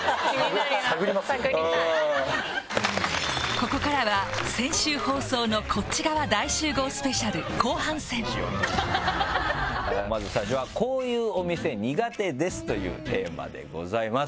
ここからは先週放送のこっち側大集合スペシャル後半戦まず最初は。というテーマでございます。